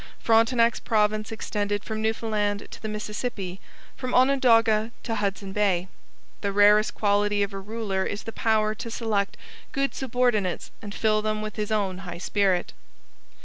Frontenac's province extended from Newfoundland to the Mississippi, from Onondaga to Hudson Bay. The rarest quality of a ruler is the power to select good subordinates and fill them with his own high spirit.